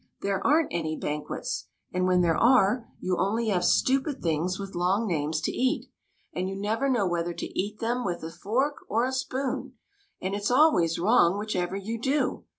'' There are n't any banquets; and when there are, you only have stupid things with long names to eat, and you never know whether to eat them with a fork or a spoon, and it 's always wrong which ever you do.